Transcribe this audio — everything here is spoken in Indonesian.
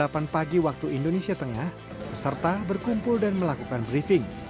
pada pukul delapan pagi waktu indonesia tengah peserta berkumpul dan melakukan briefing